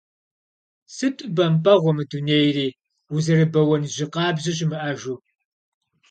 Сыту бэмпӏэгъуэ мы дунейри, узэрыбэуэн жьы къабзэ щымыӏэжу…